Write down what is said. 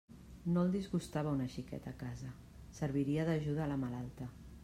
No el disgustava una xiqueta a casa; serviria d'ajuda a la malalta.